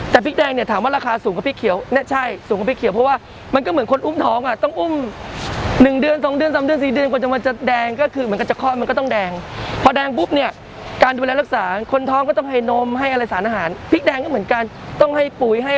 แต่พริกแดงเนี่ยถามว่าราคาสูงกว่าพริกเขียวเนี่ยใช่สูงกว่าพริกเขียวเพราะว่ามันก็เหมือนคนอุ้มท้องอ่ะต้องอุ้ม๑เดือน๒เดือน๓เดือน๔เดือนกว่าจะมาจะแดงก็คือเหมือนกันจะคลอดมันก็ต้องแดงพอแดงปุ๊บเนี่ยการดูแลรักษาคนท้องก็ต้องให้นมให้อะไรสารอาหารพริกแดงก็เหมือนกันต้องให้ปุ๋ยให้